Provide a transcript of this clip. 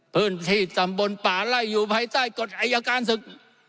พื้นที่ตำบลป่าไล่อยู่ภายใต้กฎอายการศึก